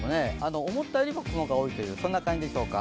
思ったよりも雲が多いという、そんな感じでしょうか。